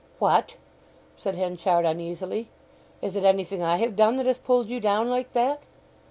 "What!" said Henchard uneasily. "Is it anything I have done that has pulled you down like that?"